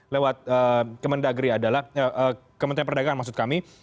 lewat kementerian perdagangan maksud kami